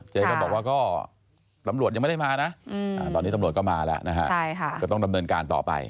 เจ๊ก็บอกว่าก็ตำรวจยังไม่ได้มานะตอนนี้ตำรวจก็มาแล้วนะฮะ